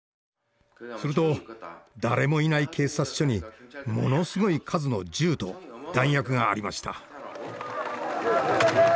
すると誰もいない警察署にものすごい数の銃と弾薬がありました。